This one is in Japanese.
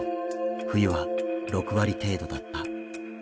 冬は６割程度だった。